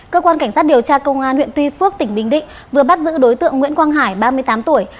cơ quan cảnh sát điều tra công an huyện tuy phước tỉnh bình định vừa bắt giữ đối tượng nguyễn quang hải ba mươi tám tuổi